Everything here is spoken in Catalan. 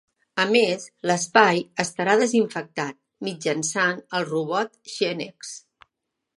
A més, l'espai estarà desinfectat mitjançant el robot Xenex.